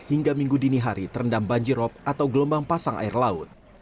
hingga minggu dini hari terendam banjirop atau gelombang pasang air laut